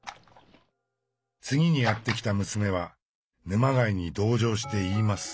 次にやって来た娘は沼貝に同情して言います。